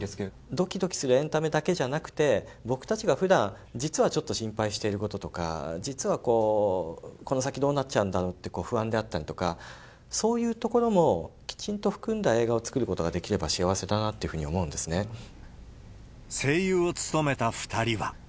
どきどきするエンタメだけじゃなくて、僕たちが普段、実はちょっと心配していることとか、実は、この先どうなっちゃうんだろうという不安であったりとか、そういうところもきちんと含んだ映画を作ることができれば幸せだ声優を務めた２人は。